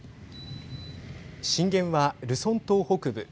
震源は、ルソン島北部。